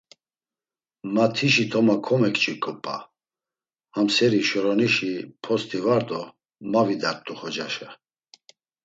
Ma tişi toma komekçiǩo p̌a, ham seri şoronişi post̆i var do ma vidart̆u xocaşa.